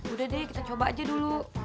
udah deh kita coba aja dulu